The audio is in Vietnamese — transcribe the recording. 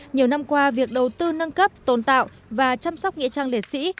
nhiều năm qua việc đầu tư nâng cấp tồn tạo và chăm sóc nghĩa trang liệt sĩ